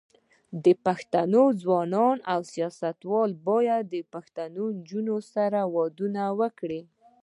پښتانه ځوانان او سياستوال بايد پښتنو نجونو سره ودونه وکړي.